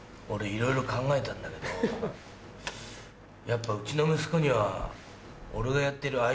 俺いろいろ考えたんだけどやっぱうちの息子には俺がやってる。